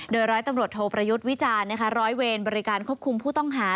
โดยร้อยตำรวจโทประยุทธ์วิจารณ์ร้อยเวรบริการควบคุมผู้ต้องหา